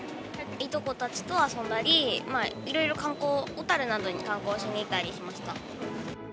いとこたちと遊んだり、いろいろ観光、小樽などに観光しに行ったりしました。